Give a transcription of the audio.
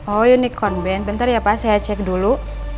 oh unicorn band bentar ya pak saya cek dulu